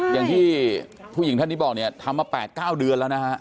อย่างที่ผู้หญิงท่านนี้บอกเนี่ยทำมา๘๙เดือนแล้วนะฮะ